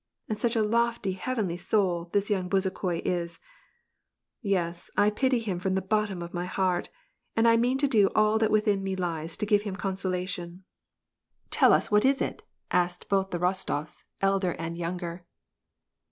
And such a lofty, heavenly soul this young Bezukho is ! Yes, I pity him from the bottom of my heart ! and^ I mean to do all that within me lies, to give him consolation." WAR AND PEACE. 13 Tell us what is it?" asked both the Rostofs^ elder and iger.